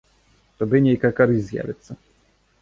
Тады нейкая карысць з'явіцца.